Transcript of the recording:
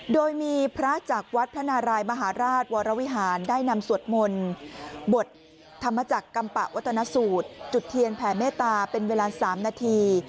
โดยมีพระจากวัดพระนารายมหาราชวรวิหารได้นำสวดมนต์บทธรรมจักรกัมปะวัฒนสูตรจุดเทียนแผ่เมตตาเป็นเวลา๓นาที